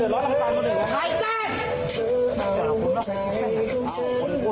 เอ้าให้ฝากทุกคนได้ค่ะ